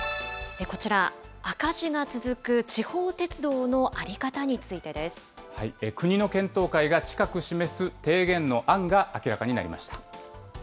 こちら、赤字が続く地方鉄道の在り方についてです。国の検討会が近く示す提言の案が明らかになりました。